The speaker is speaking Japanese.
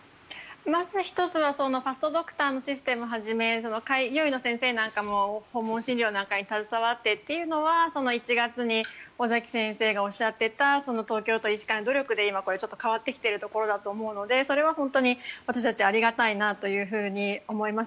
まず１つはファストドクターのシステムはじめ開業医の先生なんかも訪問医療に携わってというのは１月に尾崎先生がおっしゃっていた東京都医師会の努力で今変わってきているところだと思うのでそれは本当に私たちはありがたいなと思います。